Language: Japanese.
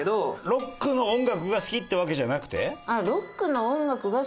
ロックの音楽が好きってわけじゃなくて。